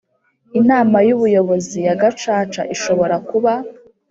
Inama y ubuyobozi ya gacaca ishobora kuba